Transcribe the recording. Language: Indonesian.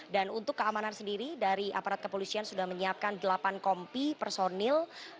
dan untuk keamanan sendiri dari aparat kepolisian sudah menyiapkan delapan kompi personil